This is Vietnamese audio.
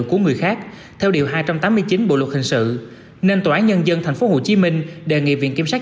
của người khác theo điều hai trăm tám mươi chín bộ luật hình sự nên tòa án nhân dân tp hcm đề nghị viện kiểm sát